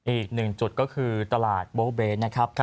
อีกหนึ่งจุดก็คือตลาดโบเบนะครับ